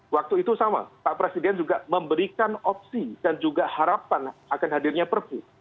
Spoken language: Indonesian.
waktu itu sama pak presiden juga memberikan opsi dan juga harapan akan hadirnya perpu